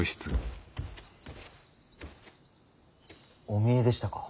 お見えでしたか。